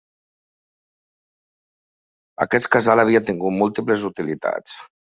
Aquest casal havia tingut múltiples utilitats.